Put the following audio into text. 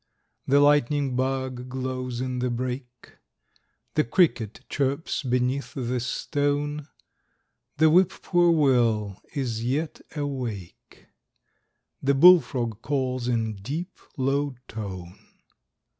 The lightning bug glows in the brake; The cricket chirps beneath the stone; The whip poor will is yet awake, The bull frog calls in deep, low tone.